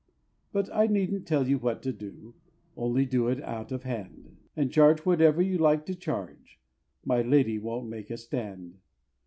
But I needn't tell you what to do, only do it out of hand, And charge whatever you like to charge my Lady won't make a stand.